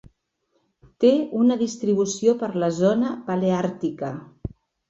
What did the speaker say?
Té una distribució per la zona paleàrtica.